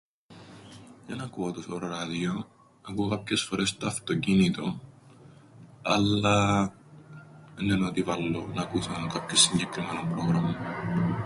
Εν ακούω τόσον ράδιον, ακούω κάποιες φορές στο αυτοκίνητον, αλλά έννεν' ότι βάλλω να ακούσω κάποιον συγκεκριμένον πρόγραμμαν.